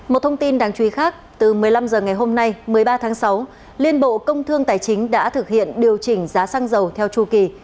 một thông tin đáng chú ý khác từ một mươi năm h ngày hôm nay một mươi ba tháng sáu liên bộ công thương tài chính đã thực hiện điều chỉnh giá xăng dầu theo chu kỳ